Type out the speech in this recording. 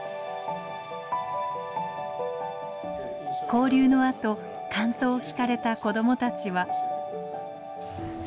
交流のあと感想を聞かれた子供たちは。